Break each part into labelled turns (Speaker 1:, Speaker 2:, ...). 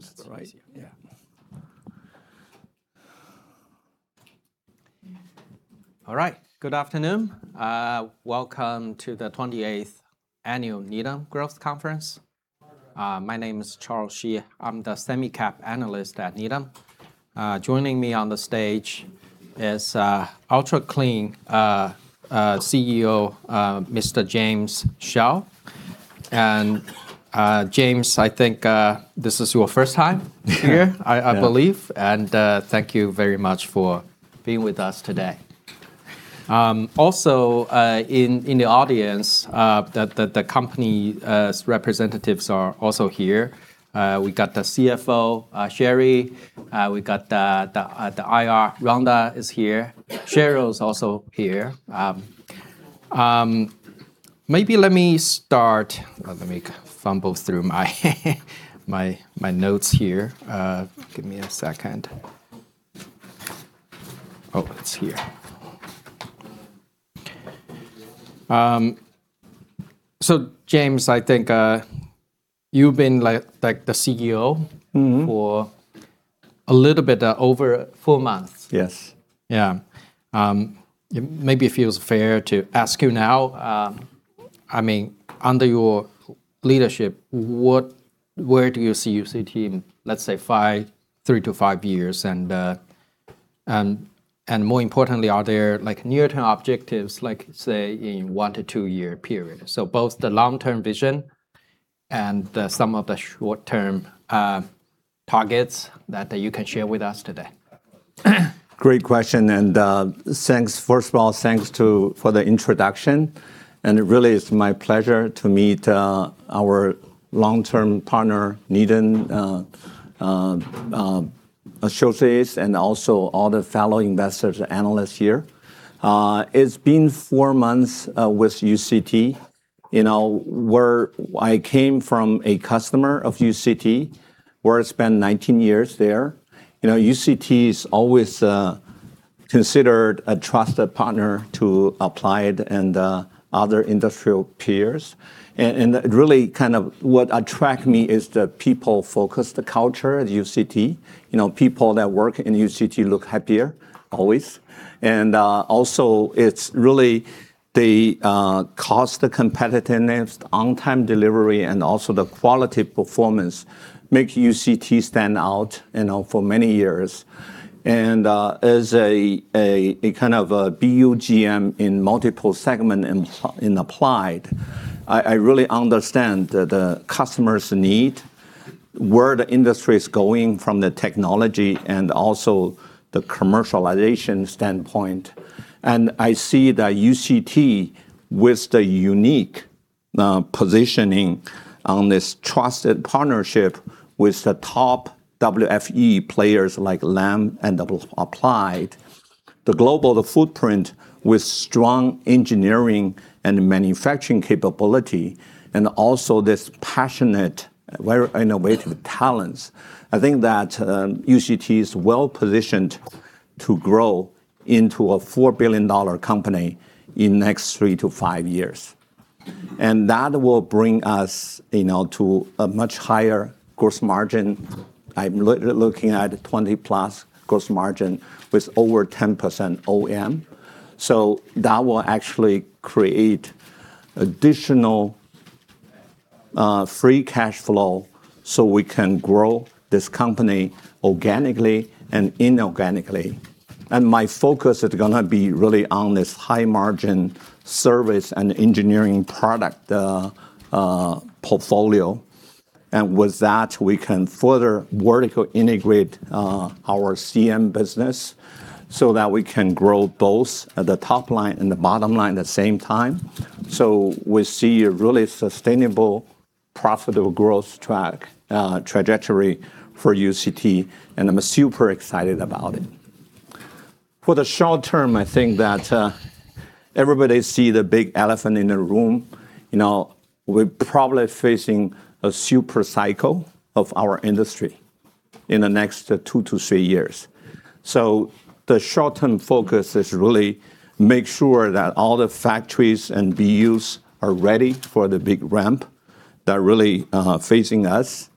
Speaker 1: This is right. Yeah. All right. Good afternoon. Welcome to the 28th Annual Needham Growth Conference. My name is Charles Shi. I'm the semi-cap analyst at Needham. Joining me on the stage is Ultra Clean's CEO, Mr. James Xiao. And James, I think this is your first time here, I believe. And thank you very much for being with us today. Also, in the audience, the company representatives are also here. We got the CFO, Sherri. We got the IR, Rhonda is here. Cheryl is also here. Maybe let me start. Let me fumble through my notes here. Give me a second. Oh, it's here. So James, I think you've been the CEO for a little bit over four months.
Speaker 2: Yes.
Speaker 1: Yeah. Maybe it feels fair to ask you now. I mean, under your leadership, where do you see your team, let's say, three to five years? And more importantly, are there near-term objectives, like say, in one to two-year period? So both the long-term vision and some of the short-term targets that you can share with us today.
Speaker 2: Great question. And thanks, first of all, thanks for the introduction. And it really is my pleasure to meet our long-term partner, Needham associates, and also all the fellow investors and analysts here. It's been four months with UCT. I came from a customer of UCT. We've spent 19 years there. UCT is always considered a trusted partner to Applied and other industrial peers. And really, kind of what attracts me is the people-focused culture at UCT. People that work in UCT look happier, always. And also, it's really the cost, the competitiveness, on-time delivery, and also the quality performance make UCT stand out for many years. And as a kind of BUGM in multiple segments in Applied, I really understand the customer's need, where the industry is going from the technology, and also the commercialization standpoint. I see that UCT, with the unique positioning on this trusted partnership with the top WFE players like Lam and Applied, the global footprint with strong engineering and manufacturing capability, and also this passionate, very innovative talents, I think that UCT is well positioned to grow into a $4 billion company in the next three to five years. And that will bring us to a much higher gross margin. I'm looking at 20-plus gross margin with over 10% OEM. So that will actually create additional free cash flow so we can grow this company organically and inorganically. And my focus is going to be really on this high-margin service and engineering product portfolio. And with that, we can further vertical integrate our CM business so that we can grow both at the top line and the bottom line at the same time. So we see a really sustainable, profitable growth trajectory for UCT. And I'm super excited about it. For the short term, I think that everybody sees the big elephant in the room. We're probably facing a super cycle of our industry in the next two to three years. So the short-term focus is really to make sure that all the factories and BUs are ready for the big ramp that's really facing us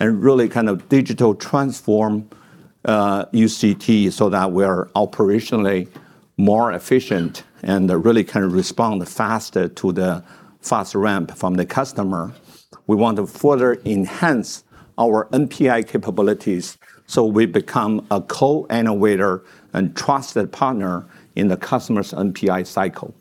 Speaker 2: and really kind of digital transform UCT so that we are operationally more efficient and really kind of respond faster to the fast ramp from the customer. We want to further enhance our NPI capabilities so we become a co-innovator and trusted partner in the customer's NPI cycle.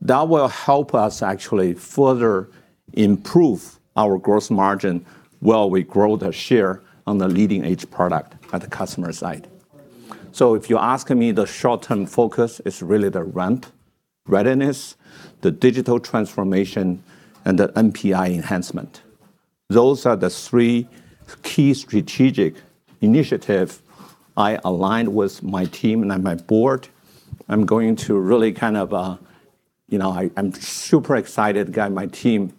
Speaker 2: That will help us actually further improve our gross margin while we grow the share on the leading-edge product at the customer side. So if you ask me, the short-term focus is really the ramp readiness, the digital transformation, and the NPI enhancement. Those are the three key strategic initiatives I aligned with my team and my board. I'm super excited that my team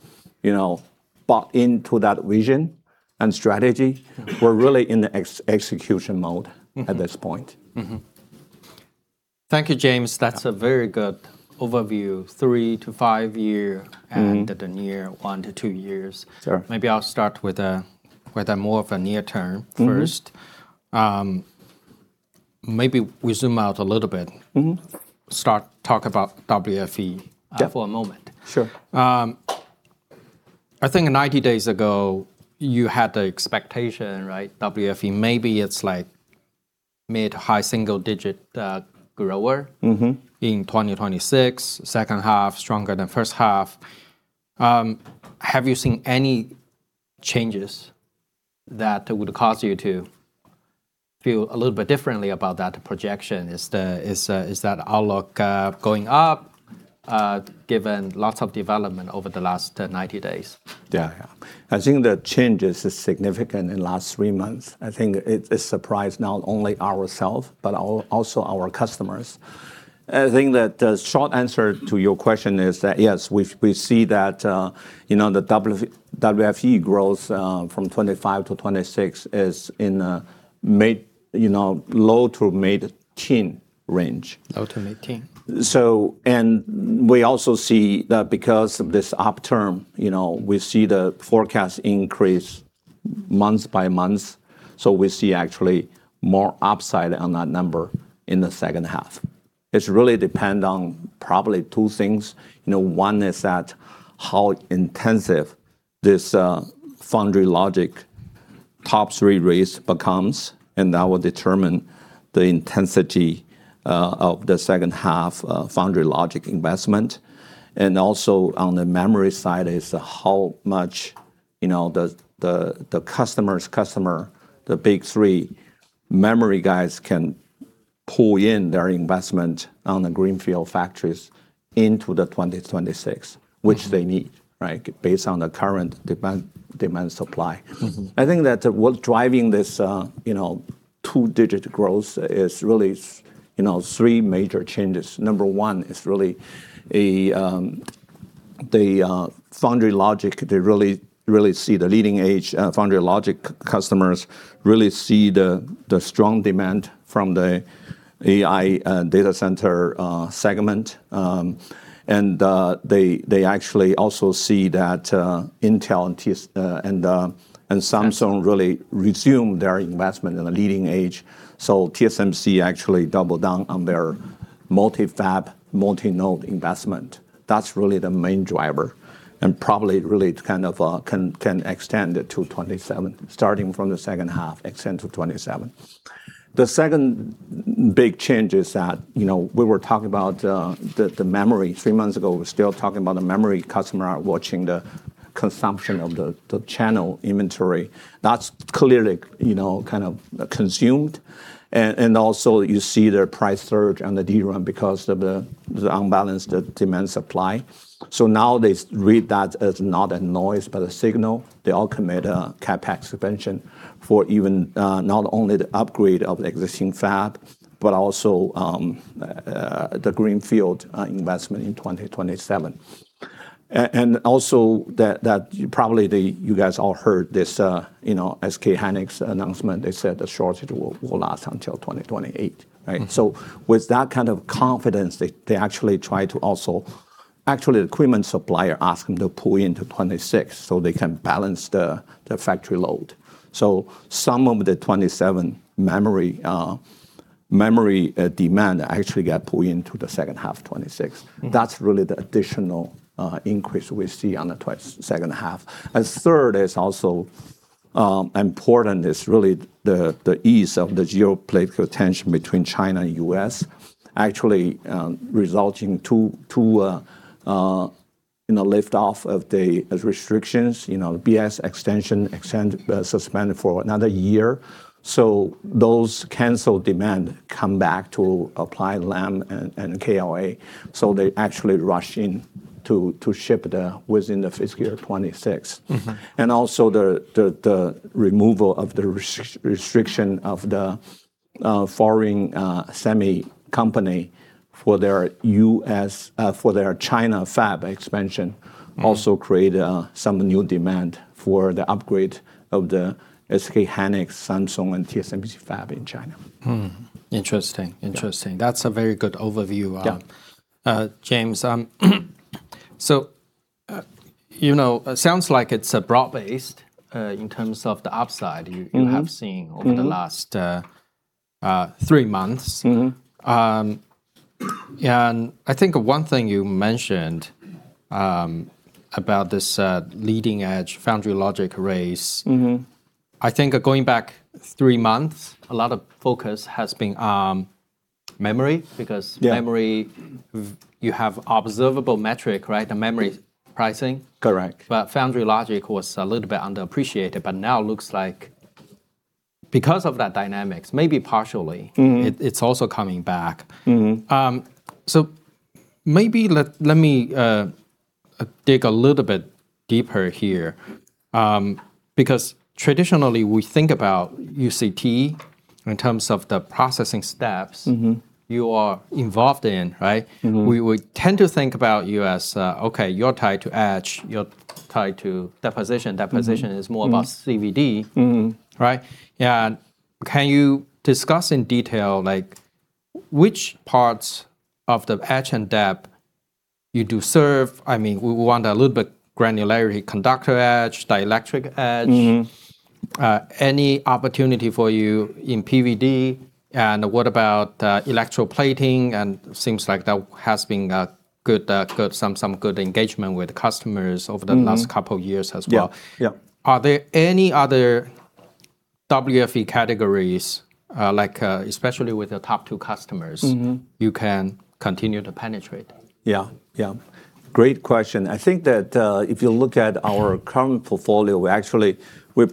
Speaker 2: bought into that vision and strategy. We're really in the execution mode at this point.
Speaker 1: Thank you, James. That's a very good overview, three to five years and the near one to two years.
Speaker 2: Sure.
Speaker 1: Maybe I'll start with more of a near-term first. Maybe we zoom out a little bit, start talk about WFE for a moment.
Speaker 2: Sure.
Speaker 1: I think 90 days ago, you had the expectation, right? WFE, maybe it's like mid-high single-digit grower in 2026, second half stronger than first half. Have you seen any changes that would cause you to feel a little bit differently about that projection? Is that outlook going up given lots of development over the last 90 days?
Speaker 2: Yeah. I think the change is significant in the last three months. I think it surprised not only ourselves, but also our customers. I think that the short answer to your question is that, yes, we see that the WFE growth from 2025 to 2026 is in the low- to mid-teen range.
Speaker 1: Low to mid-teen.
Speaker 2: And we also see that because of this upturn, we see the forecast increase month by month. So we see actually more upside on that number in the second half. It really depends on probably two things. One is that how intensive this foundry logic top three rates becomes. And that will determine the intensity of the second half foundry logic investment. And also on the memory side is how much the customer's customer, the big three memory guys can pull in their investment on the Greenfield factories into the 2026, which they need based on the current demand supply. I think that what's driving this two-digit growth is really three major changes. Number one is really the foundry logic. They really see the leading-edge foundry logic customers really see the strong demand from the AI data center segment. They actually also see that Intel and Samsung really resume their investment in the leading-edge. So TSMC actually doubled down on their multi-fab, multi-node investment. That's really the main driver. And probably really kind of can extend to 2027, starting from the second half, extend to 2027. The second big change is that we were talking about the memory. Three months ago, we were still talking about the memory customer watching the consumption of the channel inventory. That's clearly kind of consumed. And also, you see their price surge on the DRAM because of the unbalanced demand supply. So now they read that as not a noise, but a signal. They all commit a CapEx expansion for even not only the upgrade of the existing fab, but also the Greenfield investment in 2027. And also, probably you guys all heard this SK Hynix announcement. They said the shortage will last until 2028. With that kind of confidence, they actually try to also the equipment supplier ask them to pull into 2026 so they can balance the factory load so some of the 2027 memory demand actually got pulled into the second half of 2026. That's really the additional increase we see on the second half, and third is also important, really the ease of the geopolitical tension between China and the U.S., actually resulting in a lift-off of the restrictions, BIS extension suspended for another year so those canceled demand come back to Applied, Lam, and KLA so they actually rush in to ship within the fiscal year 2026. And also the removal of the restriction of the foreign semi company for their China fab expansion also created some new demand for the upgrade of the SK Hynix, Samsung, and TSMC fab in China.
Speaker 1: Interesting. Interesting. That's a very good overview. James, so it sounds like it's broad-based in terms of the upside you have seen over the last three months. And I think one thing you mentioned about this leading-edge foundry logic race, I think going back three months, a lot of focus has been on memory because memory, you have observable metric, right? The memory pricing.
Speaker 2: Correct.
Speaker 1: But foundry logic was a little bit underappreciated. But now it looks like because of those dynamics, maybe partially, it's also coming back. So maybe let me dig a little bit deeper here because traditionally, we think about UCT in terms of the processing steps you are involved in. We tend to think about you as, okay, you're tied to etch. You're tied to deposition. Deposition is more about CVD. Yeah. Can you discuss in detail which parts of the etch and dep you do serve? I mean, we want a little bit granularity: conductor etch, dielectric etch, any opportunity for you in PVD? And what about electroplating and things like that? There has been some good engagement with customers over the last couple of years as well. Are there any other WFE categories, especially with the top two customers, you can continue to penetrate?
Speaker 2: Yeah. Yeah. Great question. I think that if you look at our current portfolio, we actually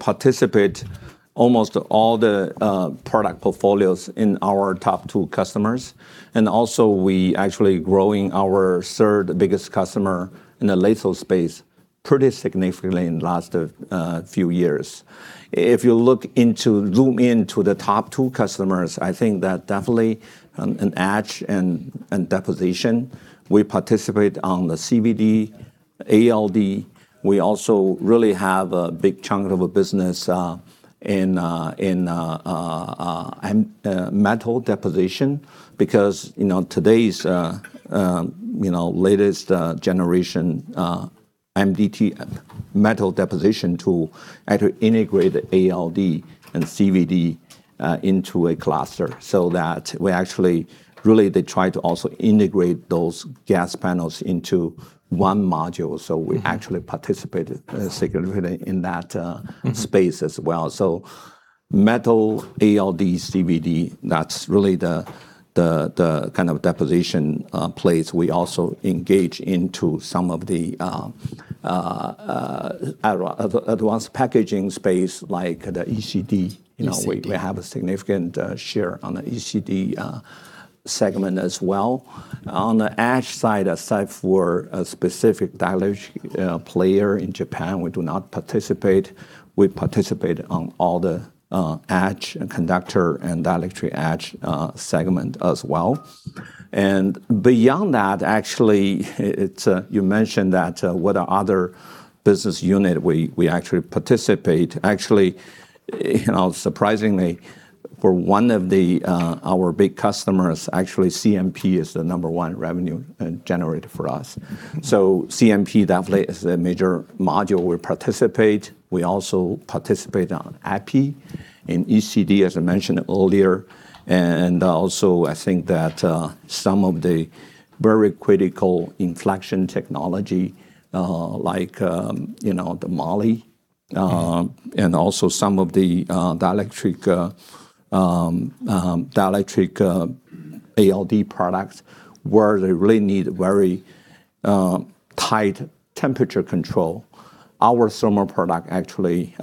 Speaker 2: participate in almost all the product portfolios in our top two customers. And also, we actually are growing our third biggest customer in the laser space pretty significantly in the last few years. If you zoom into the top two customers, I think that definitely in etch and deposition. We participate on the CVD, ALD. We also really have a big chunk of our business in metal deposition because today's latest generation MDT metal deposition tool actually integrates the ALD and CVD into a cluster so that we actually really try to also integrate those gas panels into one module. So we actually participate significantly in that space as well. So metal, ALD, CVD, that's really the kind of deposition place. We also engage into some of the advanced packaging space like the ECD. We have a significant share on the ECD segment as well. On the edge side, aside for a specific dielectric player in Japan, we do not participate. We participate on all the edge and conductor and dielectric edge segment as well. Beyond that, actually, you mentioned that what other business unit we actually participate. Actually, surprisingly, for one of our big customers, actually, CMP is the number one revenue generator for us. CMP definitely is a major module we participate. We also participate on EPI and ECD, as I mentioned earlier. Also, I think that some of the very critical inflection technology like the molybdenum and also some of the dielectric ALD products where they really need very tight temperature control. Our thermal product actually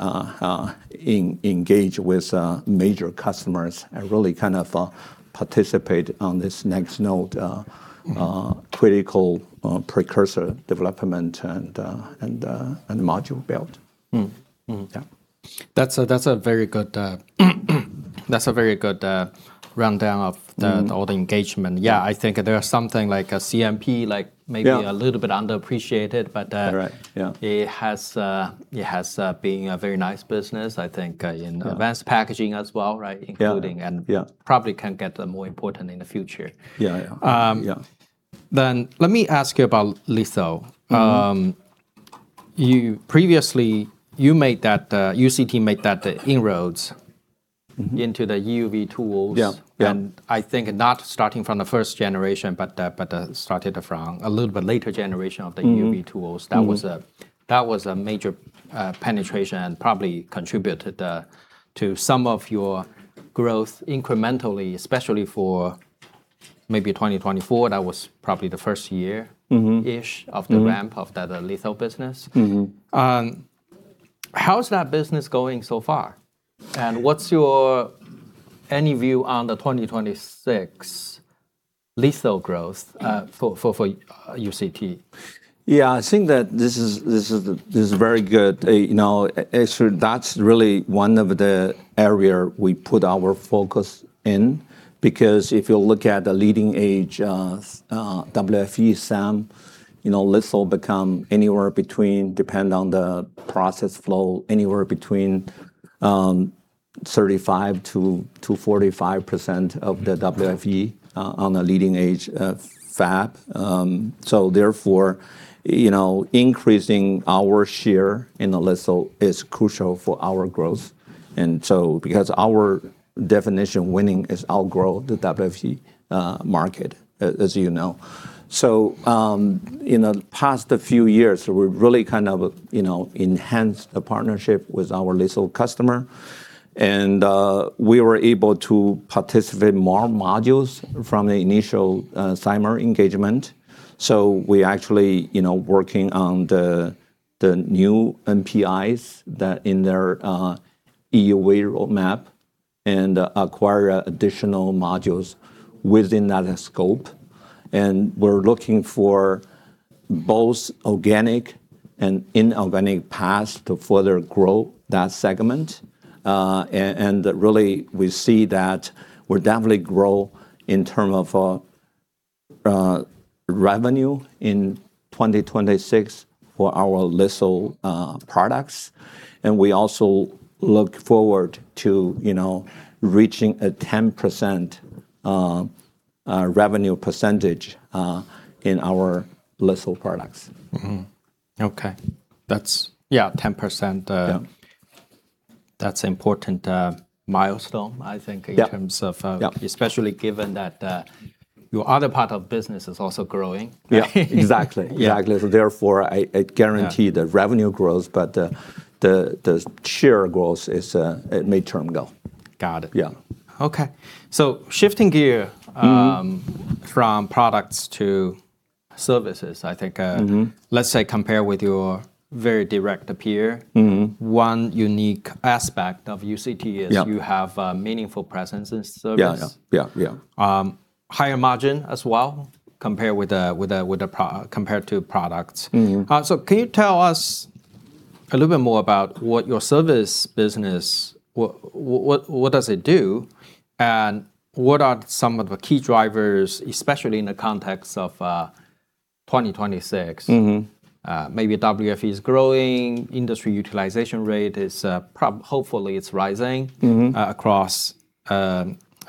Speaker 2: engages with major customers and really kind of participates on this next node critical precursor development and module build.
Speaker 1: That's a very good rundown of all the engagement. Yeah. I think there's something like CMP, maybe a little bit underappreciated, but it has been a very nice business, I think, in advanced packaging as well, including and probably can get more important in the future.
Speaker 2: Yeah. Yeah.
Speaker 1: Then let me ask you about laser. You made that UCT made that inroads into the EUV tools. And I think not starting from the first generation, but started from a little bit later generation of the EUV tools. That was a major penetration and probably contributed to some of your growth incrementally, especially for maybe 2024. That was probably the first year-ish of the ramp of that laser business. How's that business going so far? And what's your any view on the 2026 laser growth for UCT?
Speaker 2: Yeah. I think that this is very good. Actually, that's really one of the areas we put our focus in because if you look at the leading-edge WFE SAM, laser becomes anywhere between, depending on the process flow, anywhere between 35%-45% of the WFE on the leading-edge fab. So therefore, increasing our share in laser is crucial for our growth. And so because our definition winning is our growth, the WFE market, as you know. So in the past few years, we really kind of enhanced the partnership with our laser customer. And we were able to participate in more modules from the initial Cymer engagement. So we actually are working on the new MPIs in their EUV roadmap and acquire additional modules within that scope. And we're looking for both organic and inorganic paths to further grow that segment. Really, we see that we're definitely growing in terms of revenue in 2026 for our laser products. We also look forward to reaching a 10% revenue percentage in our laser products.
Speaker 1: Okay. Yeah. 10%. That's an important milestone, I think, in terms of especially given that your other part of business is also growing.
Speaker 2: Yeah. Exactly. Exactly. Therefore, I guarantee the revenue growth, but the share growth is a midterm goal.
Speaker 1: Got it. Okay. So shifting gears from products to services, I think, let's say compare with your very direct peer, one unique aspect of UCT is you have a meaningful presence in service, higher margin as well compared to products. So can you tell us a little bit more about what your service business, what does it do, and what are some of the key drivers, especially in the context of 2026? Maybe WFE is growing. Industry utilization rate is hopefully rising across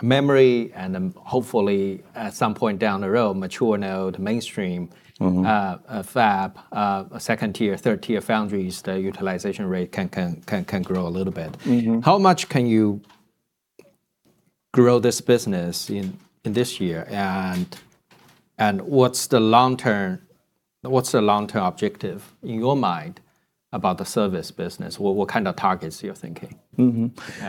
Speaker 1: memory. And hopefully, at some point down the road, mature nodes to mainstream fab, second tier, third tier foundries, the utilization rate can grow a little bit. How much can you grow this business in this year? And what's the long-term objective in your mind about the service business? What kind of targets are you thinking?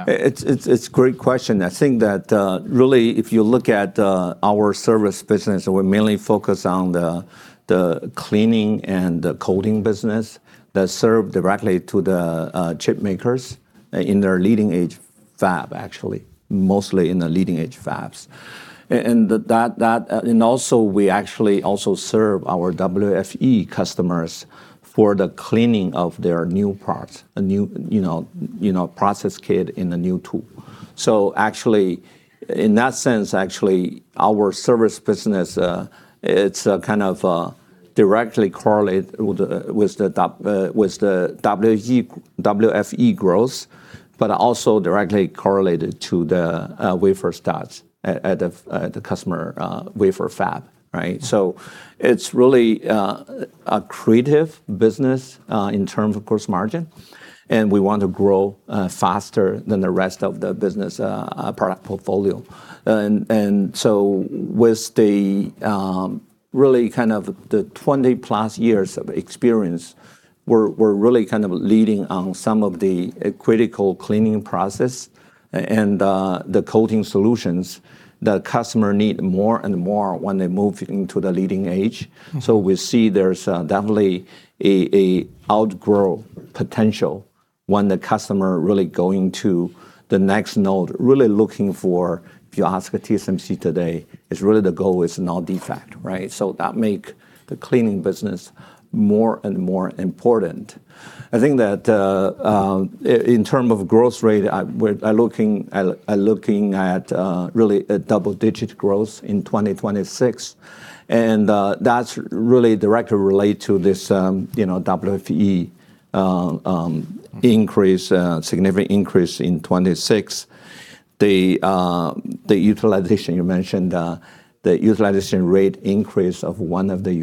Speaker 2: It's a great question. I think that really, if you look at our service business, we mainly focus on the cleaning and the coating business that serve directly to the chip makers in their leading-edge fab, actually, mostly in the leading-edge fabs, and also, we actually also serve our WFE customers for the cleaning of their new parts, a new process kit in a new tool, so actually, in that sense, actually, our service business, it's kind of directly correlated with the WFE growth, but also directly correlated to the wafer starts at the customer wafer fab, so it's really a recurring business in terms of gross margin, and we want to grow faster than the rest of the business product portfolio. And so with really kind of the 20-plus years of experience, we're really kind of leading on some of the critical cleaning process and the coating solutions that customers need more and more when they move into the leading edge. So we see there's definitely an upside potential when the customer really going to the next node, really looking for, if you ask a TSMC today, really the goal is zero defect. So that makes the cleaning business more and more important. I think that in terms of growth rate, we're looking at really a double-digit growth in 2026. And that's really directly related to this WFE increase, significant increase in 2026. The utilization, you mentioned the utilization rate increase of one of the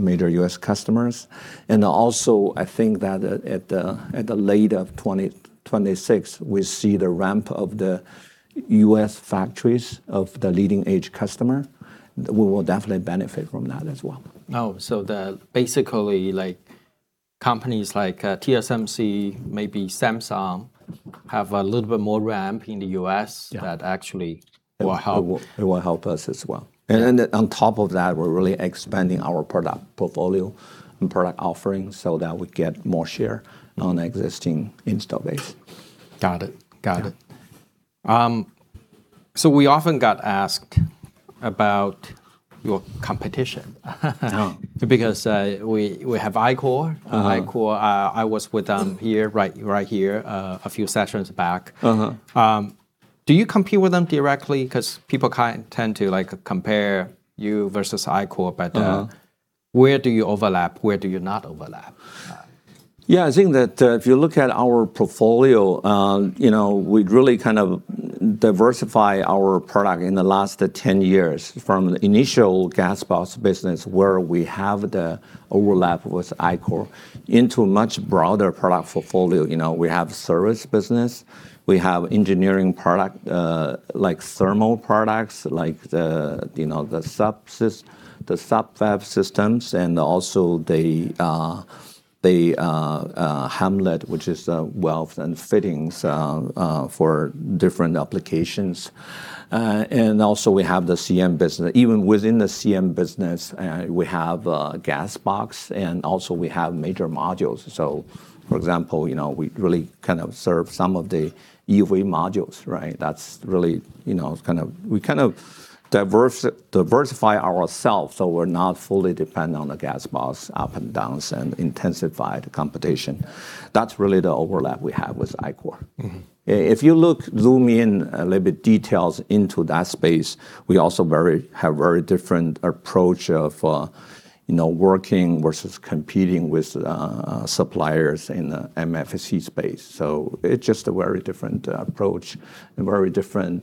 Speaker 2: major U.S. customers. And also, I think that at the late 2026, we see the ramp of the U.S. factories of the leading-edge customer. We will definitely benefit from that as well.
Speaker 1: Oh, so basically, companies like TSMC, maybe Samsung, have a little bit more ramp in the U.S. that actually will help.
Speaker 2: It will help us as well, and on top of that, we're really expanding our product portfolio and product offerings so that we get more share on existing installed base.
Speaker 1: Got it. Got it. So we often got asked about your competition because we have Ichor. I was with them here a few sessions back. Do you compete with them directly? Because people tend to compare you versus Ichor, but where do you overlap? Where do you not overlap?
Speaker 2: Yeah. I think that if you look at our portfolio, we really kind of diversify our product in the last 10 years from the initial gas box business where we have the overlap with Ichor into a much broader product portfolio. We have service business. We have engineering products like thermal products, like the sub-fab systems, and also the Ham-Let, which is the welds and fittings for different applications. And also, we have the CM business. Even within the CM business, we have gas box. And also, we have major modules. So for example, we really kind of serve some of the EUV modules. That's really kind of we kind of diversify ourselves so we're not fully dependent on the gas box, up and downs, and intensify the competition. That's really the overlap we have with Ichor. If you look, zoom in a little bit details into that space, we also have a very different approach of working versus competing with suppliers in the MFC space. So it's just a very different approach and very different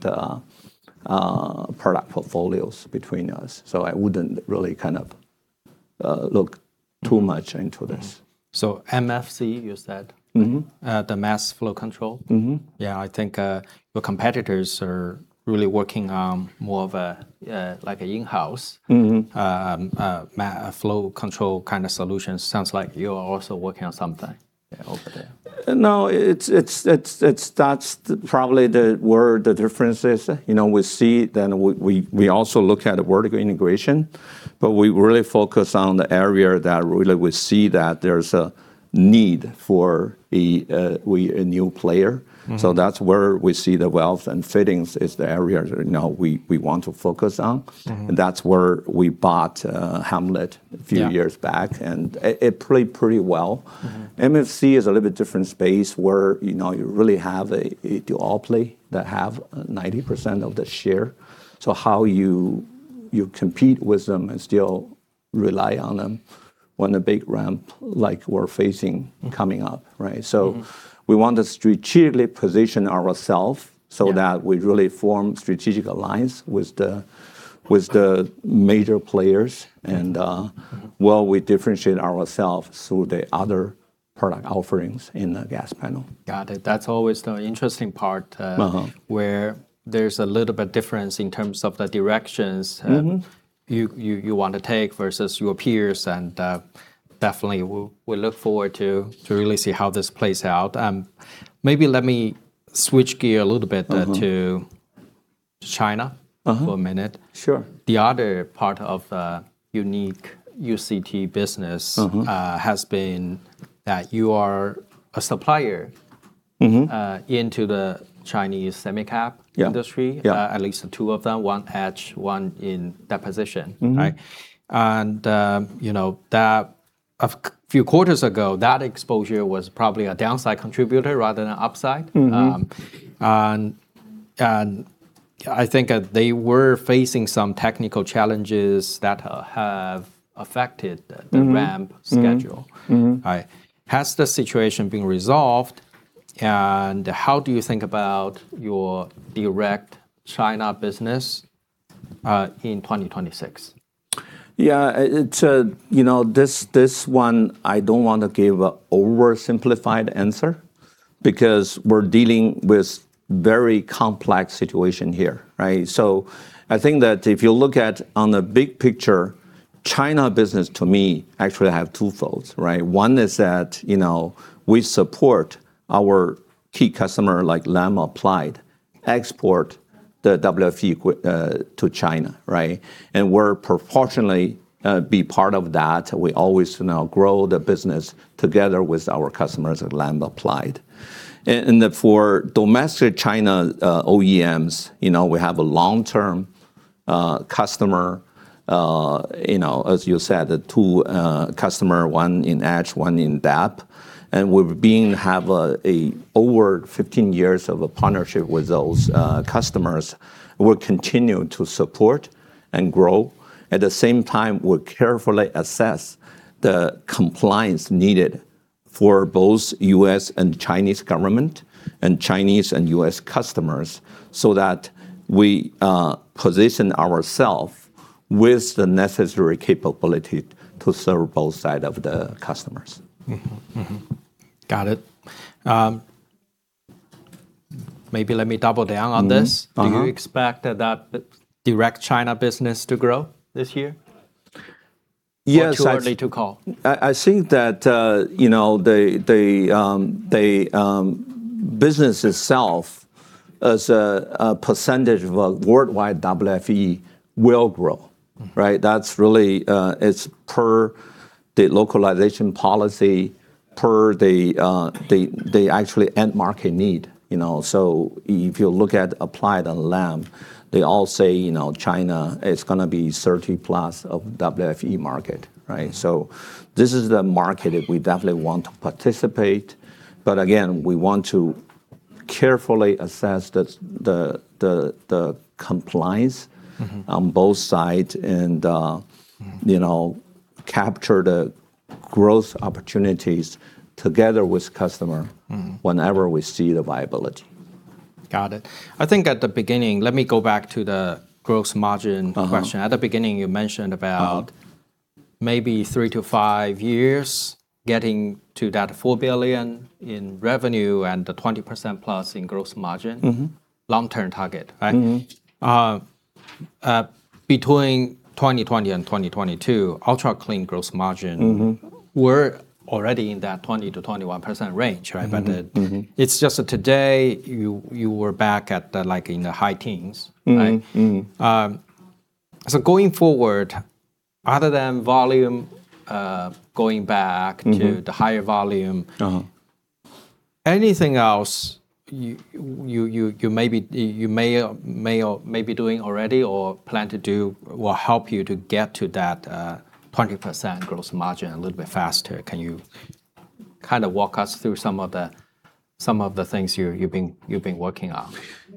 Speaker 2: product portfolios between us. So I wouldn't really kind of look too much into this.
Speaker 1: So MFC, you said?
Speaker 2: Mm-hmm.
Speaker 1: The mass flow controller?
Speaker 2: Mm-hmm.
Speaker 1: Yeah. I think your competitors are really working on more of an in-house flow control kind of solution. Sounds like you're also working on something over there.
Speaker 2: No. That's probably where the difference is. We see then we also look at vertical integration, but we really focus on the area that really we see that there's a need for a new player. So that's where we see the welds and fittings is the area we want to focus on. And that's where we bought Ham-Let a few years back. And it played pretty well. MFC is a little bit different space where you really have the OPLE that have 90% of the share. So how you compete with them and still rely on them when the big ramp like we're facing coming up. So we want to strategically position ourselves so that we really form strategic alliance with the major players. And, well, we differentiate ourselves through the other product offerings in the gas panel.
Speaker 1: Got it. That's always the interesting part where there's a little bit difference in terms of the directions you want to take versus your peers. And definitely, we look forward to really see how this plays out. Maybe let me switch gear a little bit to China for a minute.
Speaker 2: Sure.
Speaker 1: The other part of the unique UCT business has been that you are a supplier into the Chinese semi-cap industry, at least two of them, one etch, one in deposition. A few quarters ago, that exposure was probably a downside contributor rather than an upside. I think that they were facing some technical challenges that have affected the ramp schedule. Has the situation been resolved? How do you think about your direct China business in 2026?
Speaker 2: Yeah. This one, I don't want to give an oversimplified answer because we're dealing with a very complex situation here. So I think that if you look at on the big picture, China business to me actually have two folds. One is that we support our key customer like Lam Applied export the WFE to China. And we're proportionally be part of that. We always grow the business together with our customers at Lam Applied. And for domestic China OEMs, we have a long-term customer, as you said, two customers, one in etch, one in dep. And we have over 15 years of a partnership with those customers. We'll continue to support and grow. At the same time, we'll carefully assess the compliance needed for both U.S. and Chinese government and Chinese and U.S. customers so that we position ourselves with the necessary capability to serve both sides of the customers.
Speaker 1: Got it. Maybe let me double down on this. Do you expect that direct China business to grow this year?
Speaker 2: Yes.
Speaker 1: Or is it too early to call?
Speaker 2: I think that the business itself as a percentage of a worldwide WFE will grow. That's really it's per the localization policy, per the actually end market need. So if you look at Applied and Lam, they all say China is going to be 30-plus% of WFE market. So this is the market that we definitely want to participate. But again, we want to carefully assess the compliance on both sides and capture the growth opportunities together with customer whenever we see the viability.
Speaker 1: Got it. I think at the beginning, let me go back to the gross margin question. At the beginning, you mentioned about maybe three to five years getting to that $4 billion in revenue and 20% plus in gross margin, long-term target. Between 2020 and 2022, Ultra Clean gross margin, we're already in that 20% to 21% range. But it's just today, you were back at like in the high teens. So going forward, other than volume going back to the higher volume, anything else you may be doing already or plan to do will help you to get to that 20% gross margin a little bit faster? Can you kind of walk us through some of the things you've been working on?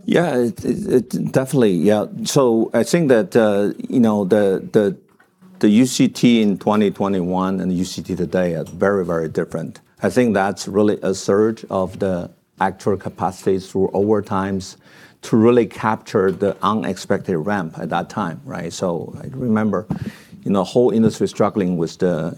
Speaker 2: Yeah. Definitely. Yeah. So I think that the UCT in 2021 and the UCT today are very, very different. I think that's really a surge of the actual capacity through overtimes to really capture the unexpected ramp at that time. So I remember the whole industry struggling with the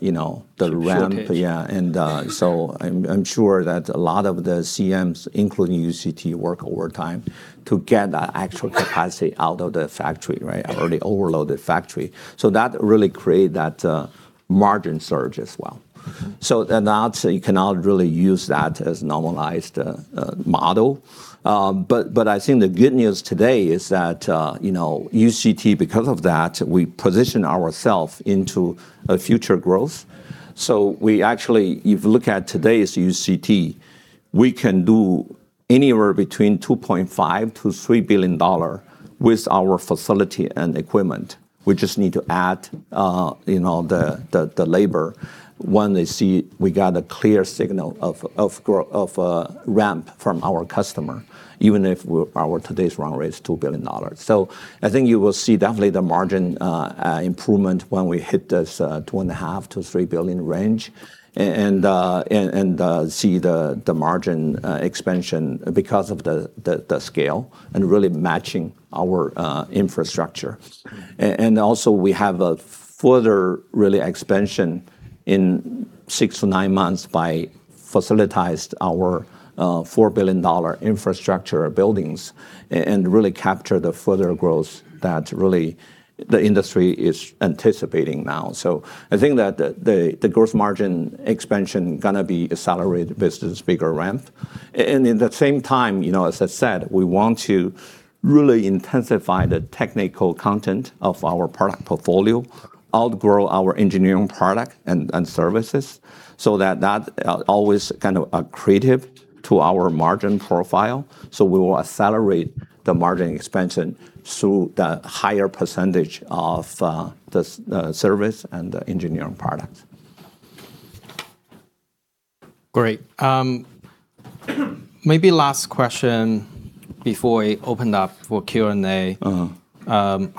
Speaker 2: ramp.
Speaker 1: The shift.
Speaker 2: Yeah. And so I'm sure that a lot of the CMs, including UCT, work overtime to get that actual capacity out of the factory, already overloaded factory. So that really created that margin surge as well. So you cannot really use that as normalized model. But I think the good news today is that UCT, because of that, we position ourselves into a future growth. So we actually, if you look at today's UCT, we can do anywhere between $2.5-$3 billion with our facility and equipment. We just need to add the labor when they see we got a clear signal of ramp from our customer, even if our today's run rate is $2 billion. So I think you will see definitely the margin improvement when we hit this $2.5-$3 billion range and see the margin expansion because of the scale and really matching our infrastructure. And also, we have a further really expansion in six to nine months by facilitating our $4 billion infrastructure builds and really capture the further growth that really the industry is anticipating now. So I think that the gross margin expansion is going to be accelerated with this bigger ramp. And at the same time, as I said, we want to really intensify the technical content of our product portfolio, allbrow our engineering products and services so that that always kind of contributes to our margin profile. So we will accelerate the margin expansion so the higher percentage of the services and the engineering products.
Speaker 1: Great. Maybe last question before we open up for Q&A.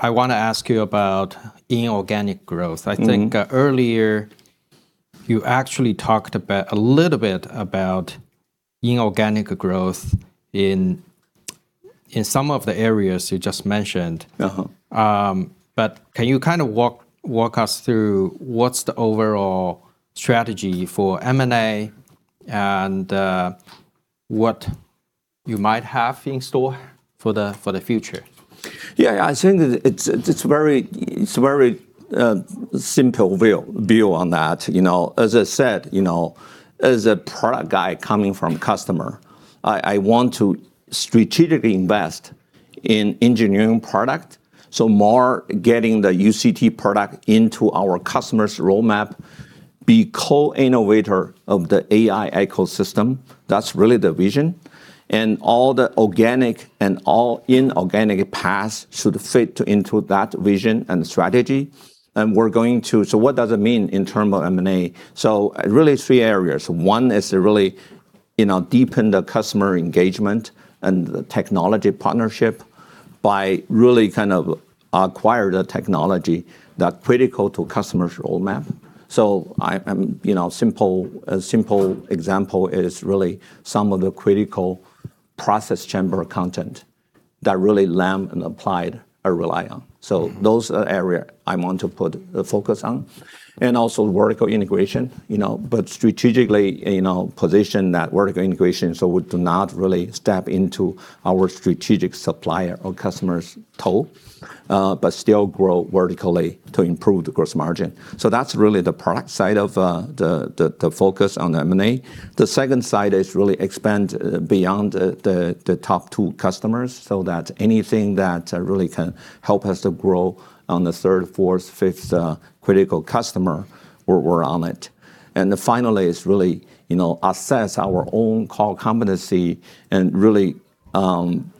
Speaker 1: I want to ask you about inorganic growth. I think earlier, you actually talked a little bit about inorganic growth in some of the areas you just mentioned. But can you kind of walk us through what's the overall strategy for M&A and what you might have in store for the future?
Speaker 2: Yeah. I think it's a very simple view on that. As I said, as a product guy coming from customer, I want to strategically invest in engineering product. So more getting the UCT product into our customer's roadmap, be co-innovator of the AI ecosystem. That's really the vision. And all the organic and all inorganic paths should fit into that vision and strategy. And we're going to, so what does it mean in terms of M&A? So really three areas. One is to really deepen the customer engagement and the technology partnership by really kind of acquiring the technology that's critical to customer's roadmap. So a simple example is really some of the critical process chamber content that really Lam and Applied rely on. So those areas I want to put the focus on. And also vertical integration. But strategically position that vertical integration so we do not really step on our strategic suppliers or customers' toes, but still grow vertically to improve the gross margin. So that's really the product side of the focus on the M&A. The second side is really expand beyond the top two customers so that anything that really can help us to grow with the third, fourth, fifth critical customers, we're on it. And finally, it's really assess our own core competency and really in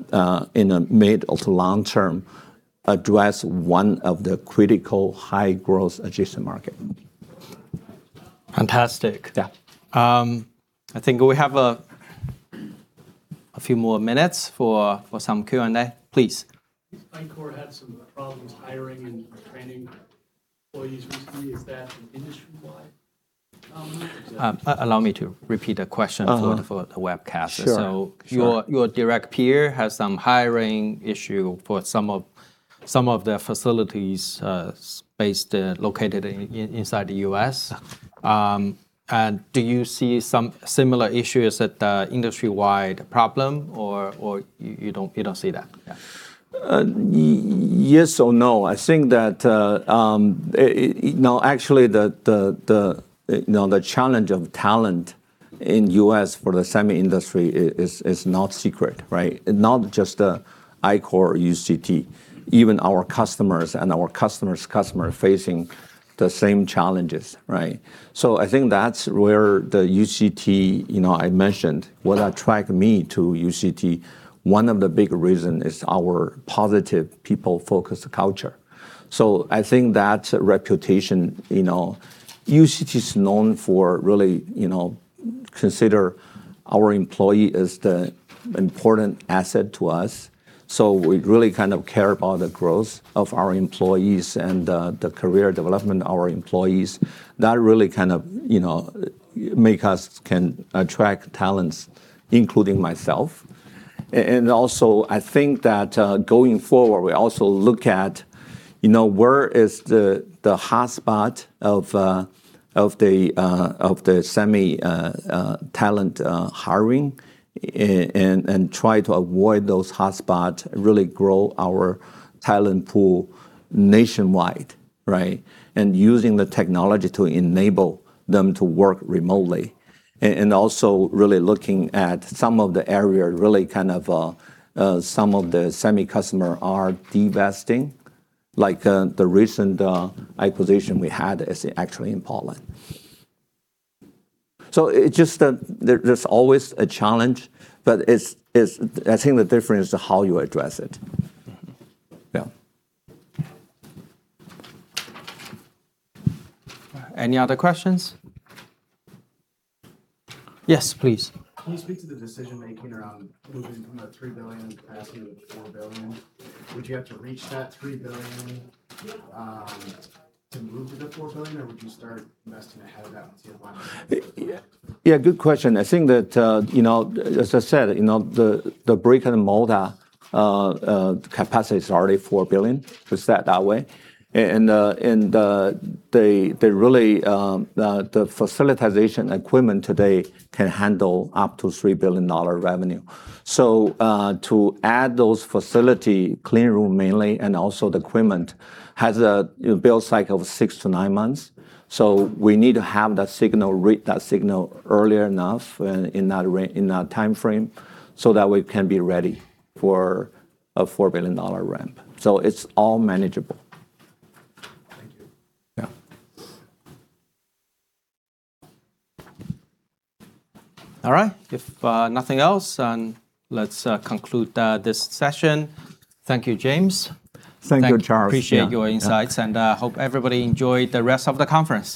Speaker 2: the mid- to long-term address one of the critical high-growth adjacent markets.
Speaker 1: Fantastic.
Speaker 2: Yeah.
Speaker 1: I think we have a few more minutes for some Q&A. Please.
Speaker 3: I think Ichor had some problems hiring and training employees recently. Is that industry-wide?
Speaker 1: Allow me to repeat the question for the webcast.
Speaker 2: Sure.
Speaker 1: So, your direct peer has some hiring issue for some of the facilities based located inside the U.S. And do you see some similar issues as an industry-wide problem, or you don't see that?
Speaker 2: Yes or no? I think that actually the challenge of talent in the U.S. for the semi industry is not secret. Not just Ichor, UCT, even our customers and our customer's customer facing the same challenges. So I think that's where the UCT I mentioned, what attracted me to UCT, one of the big reasons is our positive people-focused culture. So I think that reputation, UCT is known for really considering our employee as the important asset to us. So we really kind of care about the growth of our employees and the career development of our employees. That really kind of makes us attract talents, including myself. And also, I think that going forward, we also look at where is the hotspot of the semi talent hiring and try to avoid those hotspots, really grow our talent pool nationwide. And using the technology to enable them to work remotely. And also really looking at some of the area really kind of some of the semi customer are divesting, like the recent acquisition we had is actually in Poland. So there's always a challenge, but I think the difference is how you address it. Yeah.
Speaker 1: Any other questions? Yes, please.
Speaker 4: Can you speak to the decision-making around moving from a $3 billion capacity to $4 billion? Would you have to reach that $3 billion to move to the $4 billion, or would you start investing ahead of that with your line of business?
Speaker 2: Yeah. Good question. I think that, as I said, the brick and mortar capacity is already $4 billion, to say it that way. And really, the facilitation equipment today can handle up to $3 billion revenue. So to add those facility, clean room mainly, and also the equipment has a build cycle of six to nine months. So we need to have that signal reach us early enough in that time frame so that we can be ready for a $4 billion ramp. So it's all manageable.
Speaker 4: Thank you.
Speaker 2: Yeah.
Speaker 1: All right. If nothing else, let's conclude this session. Thank you, James.
Speaker 2: Thank you, Charles.
Speaker 1: I appreciate your insights, and I hope everybody enjoyed the rest of the conference.